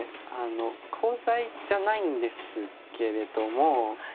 コウ材じゃないんですけれども。